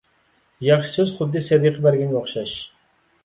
ياخشى سۆز خۇددى سەدىقە بەرگەنگە ئوخشاش.